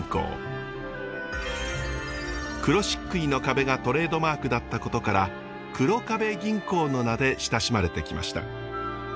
黒漆喰の壁がトレードマークだったことから黒壁銀行の名で親しまれてきました。